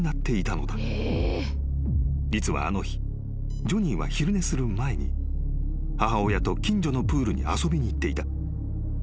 ［実はあの日ジョニーは昼寝する前に母親と近所のプールに遊びに行っていた］